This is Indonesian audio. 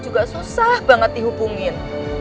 juga susah banget dihubungin